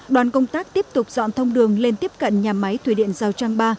đoàn công tác tiếp tục dọn thông đường lên tiếp cận nhà máy thủy điện giao trang ba